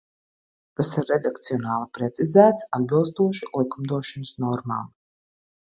Tas ir redakcionāli precizēts atbilstoši likumdošanas normām.